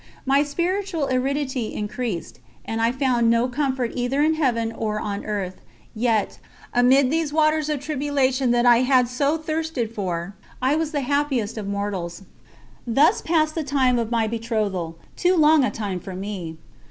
My spiritual aridity increased, and I found no comfort either in Heaven or on earth; yet, amid these waters of tribulation that I had so thirsted for, I was the happiest of mortals. Thus passed the time of my betrothal, too long a time for me.